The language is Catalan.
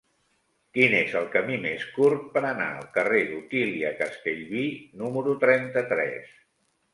Quin és el camí més curt per anar al carrer d'Otília Castellví número trenta-tres?